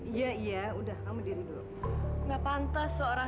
bukan jalan mama